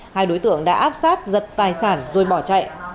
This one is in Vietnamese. hai đối tượng đã áp sát giật tài sản rồi bỏ chạy